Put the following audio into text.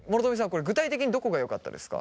これ具体的にどこがよかったですか？